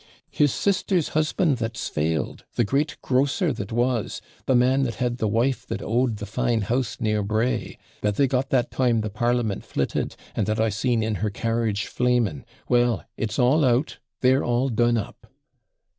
'His sister's husband that's failed, the great grocer that was, the man that had the wife that OW'D [Owned] the fine house near Bray, that they got that time the Parliament FLITTED, and that I seen in her carriage flaming well, it's all out; they're all DONE UP.